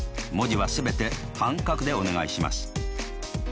文字は全て半角でお願いします。